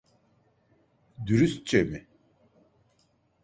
Dürüstçe mi?